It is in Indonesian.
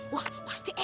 wah pasti enak tuh